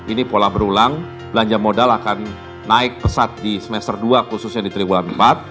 ini pola berulang belanja modal akan naik pesat di semester dua khususnya di triwulan empat